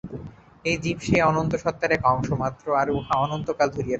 এই জীব সেই অনন্ত সত্তার এক অংশমাত্র, আর উহা অনন্তকাল ধরিয়া রহিয়াছে।